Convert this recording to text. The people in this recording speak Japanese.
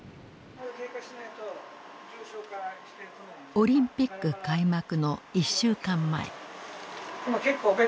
オリンピック開幕の１週間前。